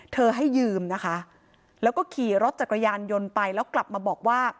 ให้ยืมนะคะแล้วก็ขี่รถจักรยานยนต์ไปแล้วกลับมาบอกว่า